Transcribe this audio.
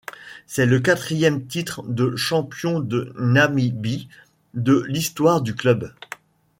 C'est le quatrième titre de champion de Namibie de l'histoire du club.